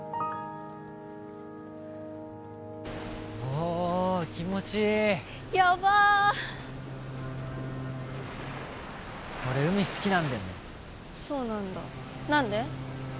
おお気持ちいいヤバッ俺海好きなんだよねそうなんだ何で？